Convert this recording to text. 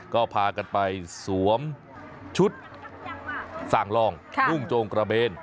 ก็พากันไปสวมชุดสั่งลองนุ่งโจงกระเบน